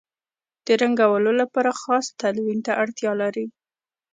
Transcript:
د رنګولو لپاره خاص تلوین ته اړتیا لري.